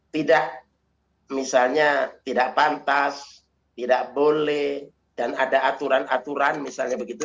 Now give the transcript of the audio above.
tidak misalnya tidak pantas tidak boleh dan ada aturan aturan misalnya begitu